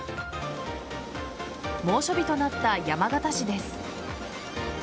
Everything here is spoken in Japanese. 猛暑日となった山形市です。